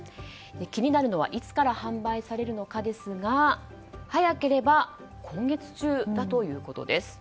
気になるのはいつから販売されるかですが早ければ今月中だということです。